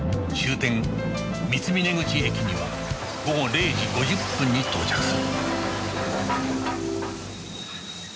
終点三峰口駅には午後０時５０分に到着する